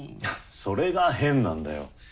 それが変なんだよ。